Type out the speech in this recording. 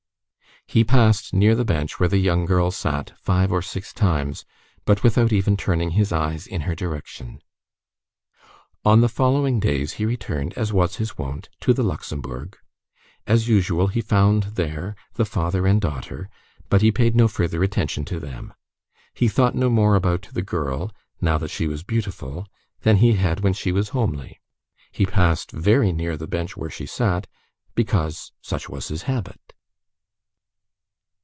He passed near the bench where the young girl sat, five or six times, but without even turning his eyes in her direction. On the following days, he returned, as was his wont, to the Luxembourg; as usual, he found there "the father and daughter;" but he paid no further attention to them. He thought no more about the girl now that she was beautiful than he had when she was homely. He passed very near the bench where she sat, because such was his habit.